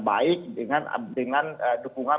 baik dengan dukungan